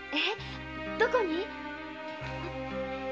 どこに？